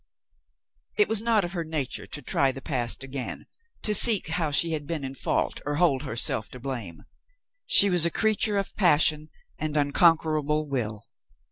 It was not of her nature to try the past again, to seek how she had been in fault or hold herself to blame. She was a creature of passion and uncon querable will.